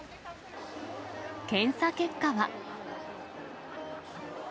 検査結果は。